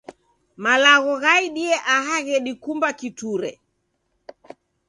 Malagho ghaidie aha ghedikumba kiture.